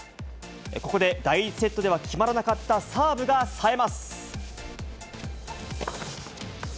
ここで、第１セットでは決まらなかったサーブがさえます。